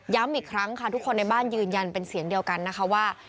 อีกครั้งค่ะทุกคนในบ้านยืนยันเป็นเสียงเดียวกันนะคะว่า